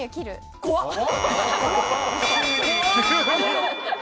怖っ！